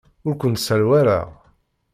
Ur kent-sserwaleɣ.